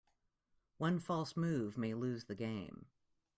One false move may lose the game.